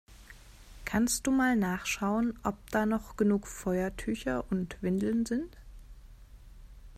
Kannst du mal nachschauen, ob da noch genug Feuertücher und Windeln sind?